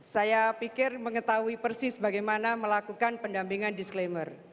saya pikir mengetahui persis bagaimana melakukan pendampingan disclaimer